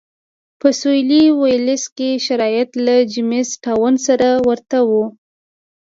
په سوېلي ویلز کې شرایط له جېمز ټاون سره ورته و.